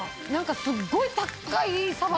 すっごい高いサバ